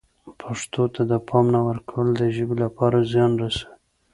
پښتو ته د پام نه ورکول د ژبې لپاره زیان رسوي.